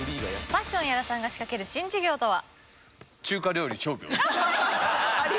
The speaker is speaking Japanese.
パッション屋良さんが仕掛ける新事業とは？